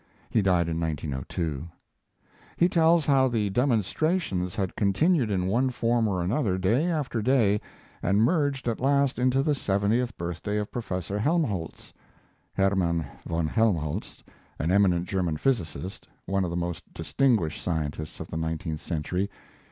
He died in 1902.] He tells how the demonstrations had continued in one form or another day after day, and merged at last into the seventieth birthday of Professor Helmholtz [Herman von Helmholtz, an eminent German physicist, one of the most distinguished scientists of the nineteenth century.